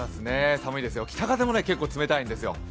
寒いですよ、北風も結構冷たいんですよ。